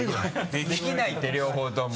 できないって両方とも。